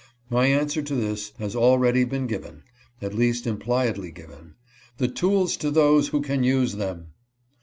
My answer to this has already been given ; at least impliedly given — "The tools to those who can use them!"